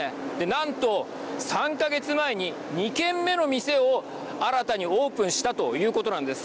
なんと３か月前に２軒目の店を新たにオープンしたということなんです。